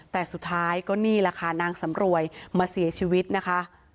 แต่สุดท้ายก็นี่แหละค่ะนางสำรวยมาเสียชีวิตนะคะ